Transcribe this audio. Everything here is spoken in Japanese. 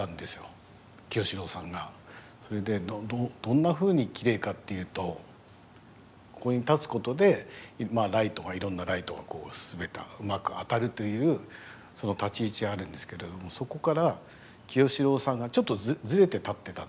それでどんなふうにきれいかっていうとここに立つことでライトがいろんなライトがこう全てうまく当たるというその立ち位置があるんですけれどもそこから清志郎さんがちょっとずれて立ってたんですよ。